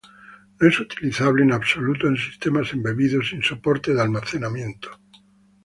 No es utilizable en absoluto en sistemas embebidos sin soporte de almacenamiento.